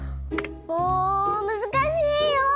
もうむずかしいよ！